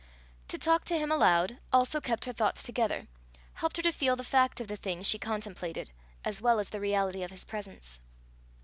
To talk to him aloud, also kept her thoughts together, helped her to feel the fact of the things she contemplated, as well as the reality of his presence.